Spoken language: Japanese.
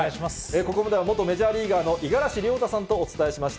ここまでは元メジャーリーガーの五十嵐亮太さんとお伝えしました。